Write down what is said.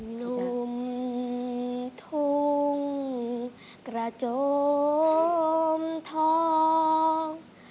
หนุ่มทุ่งกระจมทอง